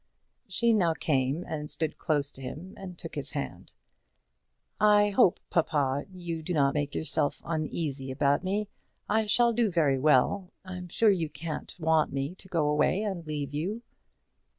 She now came and stood close to him and took his hand. "I hope, papa, you do not make yourself uneasy about me. I shall do very well. I'm sure you can't want me to go away and leave you."